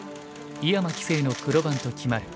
井山棋聖の黒番と決まる。